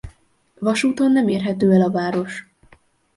Vasúton nem érhető el a város.